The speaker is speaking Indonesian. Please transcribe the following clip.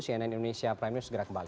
cnn indonesia prime news segera kembali